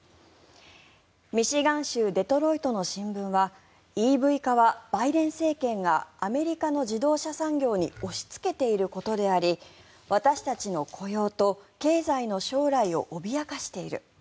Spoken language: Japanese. ミシガン州デトロイトの新聞はＥＶ化はバイデン政権がアメリカの自動車産業に押しつけていることであり私たちの雇用と経済の将来を脅かしている。